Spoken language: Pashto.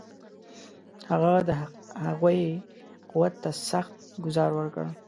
هغه د هغوی قوت ته سخت ګوزار ورکړ.